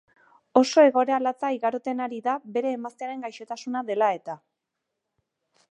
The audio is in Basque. Oso egoera latza igarotzen ari da bere emaztearen gaisotasuna dela eta.